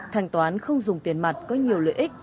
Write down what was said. thanh toán không dùng tiền mặt có nhiều lợi ích